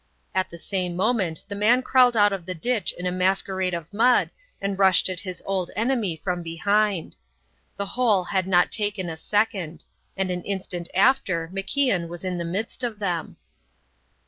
At the same moment the man crawled out of the ditch in a masquerade of mud and rushed at his old enemy from behind. The whole had not taken a second; and an instant after MacIan was in the midst of them.